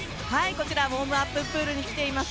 こちらウォームアッププールに来ています。